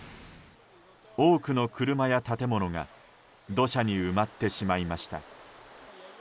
多くの車や建物が土砂に埋まってしまいました。